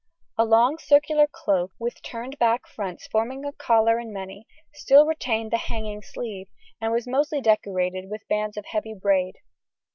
A long circular cloak, with turned back fronts forming a collar in many, still retained the hanging sleeve, and was mostly decorated with bands of heavy braid.